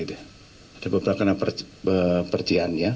ada beberapa kena percikan